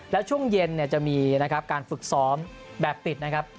แล้วช่วงเย็นจะมีการฝึกซ้อมแบบปิดนะครับ